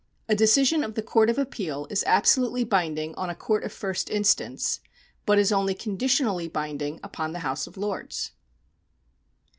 A decision of the Court of Appeal is absolutely binding on a court of first instance, but is only conditionally binding upon the House of Lords.